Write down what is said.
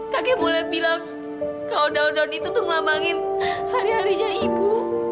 kakek mulai bilang kalau daun daun itu tuh ngelambangin hari harinya ibu